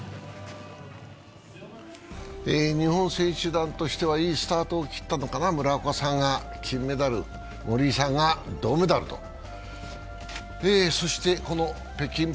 日本選手団としてはいいスタートを切ったのかな、村岡さんが金メダル、森井さんが銅メダルと。